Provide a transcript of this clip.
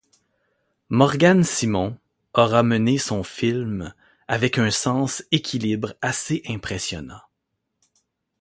Morgan Simon aura mené son film avec un sens équilibre assez impressionnant.